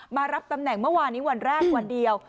มารับตำแหน่งเมื่อวานนี้วันแรกวันเดียว